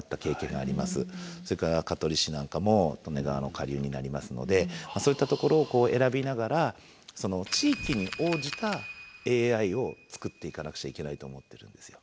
それから香取市なんかも利根川の下流になりますのでそういったところを選びながら地域に応じたＡＩを作っていかなくちゃいけないと思ってるんですよ。